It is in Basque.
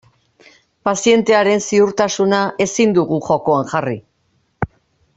Pazientearen ziurtasuna ezin dugu jokoan jarri.